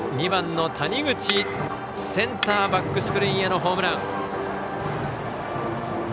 ２番の谷口センターバックスクリーンへのホームラン。